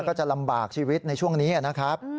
ก็จะลำบากชีวิตในช่วงนี้นะครับ